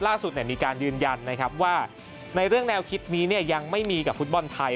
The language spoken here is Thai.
ล่าสุดมีการยืนยันนะครับว่าในเรื่องแนวคิดนี้ยังไม่มีกับฟุตบอลไทย